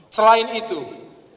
di sebuah negara yang berpengaruh